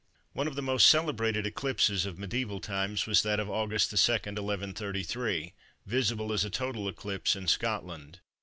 One of the most celebrated eclipses of mediæval times was that of August 2, 1133, visible as a total eclipse in Scotland.